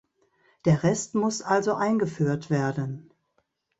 Der Rest muss also eingeführt werden.